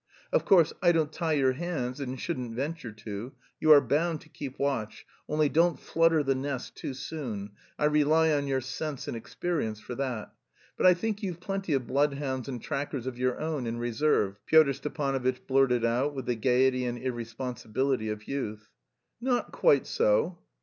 "Of course, I don't tie your hands and shouldn't venture to. You are bound to keep watch, only don't flutter the nest too soon; I rely on your sense and experience for that. But I should think you've plenty of bloodhounds and trackers of your own in reserve, ha ha!" Pyotr Stepanovitch blurted out with the gaiety and irresponsibility of youth. "Not quite so."